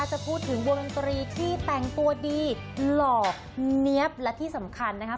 จะพูดถึงวงดนตรีที่แต่งตัวดีหล่อเนี๊ยบและที่สำคัญนะครับ